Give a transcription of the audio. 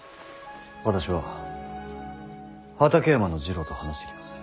私は畠山次郎と話してきます。